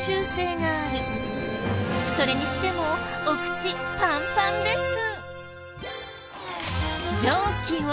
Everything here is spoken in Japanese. それにしてもお口パンパンです。